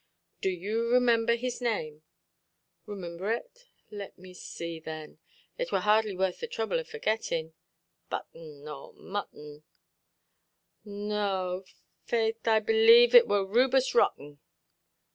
"Do you remember his name"? "Remimber it? Let me see, thin. It wor hardly worth the throuble of forgittin. Button, or Mutton; no, faix I bʼlieve it wor Rubus Rotten".